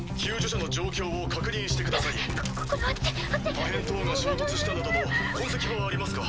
破片等が衝突したなどの痕跡はありますか？